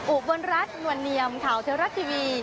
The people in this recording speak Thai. อุบลรัฐนวลเนียมข่าวเทวรัฐทีวี